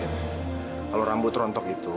kalau rambut rontok itu